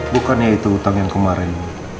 bukannya itu utang yang kemarin